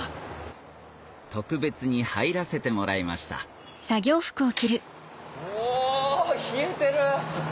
特別に入らせてもらいましたうわ冷えてる！